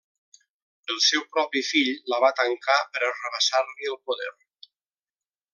El seu propi fill la va tancar per arrabassar-li el poder.